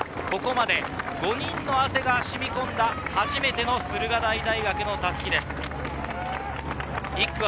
ここまで５人の汗が染み込んだ初めての駿河台大学の襷です。